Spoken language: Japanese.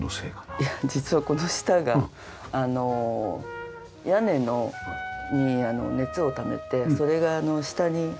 いや実はこの下が屋根に熱をためてそれが下に入ってるんです。